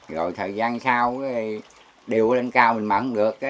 rồi thời gian sau đều lên cao mình mặn được